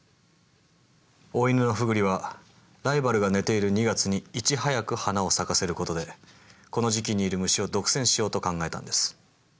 オオイヌノフグリはライバルが寝ている２月にいち早く花を咲かせることでこの時期にいる虫を独占しようと考えたんです。